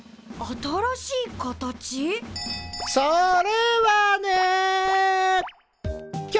それはね。